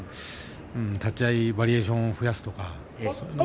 立ち合いのバリエーションを増やすとかですね